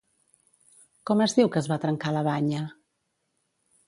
Com es diu que es va trencar la banya?